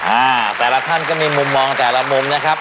อ่าแต่ละท่านก็มีมุมมองแต่ละมุมนะครับ